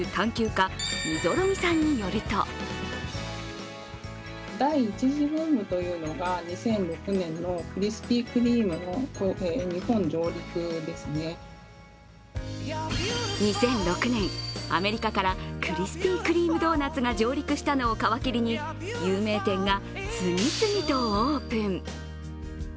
家溝呂木さんによると２００６年、アメリカからクリスピー・クリーム・ドーナツが上陸したのを皮切りに有名店が次々とオープン。